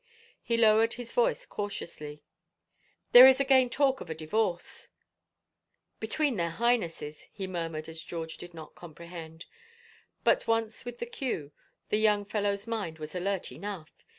He lowered his voice cautiously. " There is again talk of a divorce ... between their Highnesses," he murmured as George did not compre hend. But once with the cue, the young fellow's mind was alert enough.